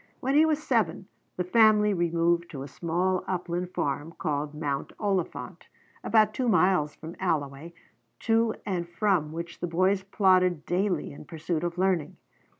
When he was seven the family removed to a small upland farm called Mount Oliphant, about two miles from Alloway, to and from which the boys plodded daily in pursuit of learning.